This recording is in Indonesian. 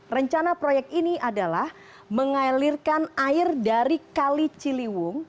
rencana proyek ini adalah mengalirkan air dari kali ciliwung